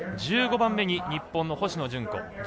１５番目に日本の星野純子。